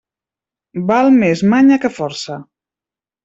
Val més manya que força.